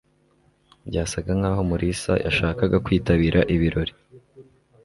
Byasaga nkaho Mulisa yashakaga kwitabira ibirori.